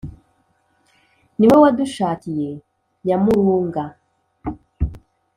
Ni we wadushakiye Nyamurunga*.